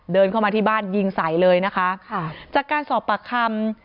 เดินเข้ามาที่บ้านยิงใส่เลยนะคะค่ะจากการสอบปากคำ